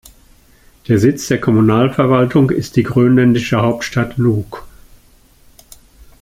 Der Sitz der Kommunalverwaltung ist die grönländische Hauptstadt Nuuk.